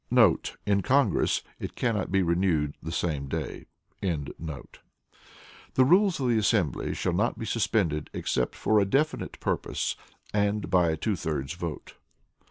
* [In Congress, it cannot be renewed the same day.] The rules of the assembly shall not be suspended except for a definite purpose, and by a two thirds vote.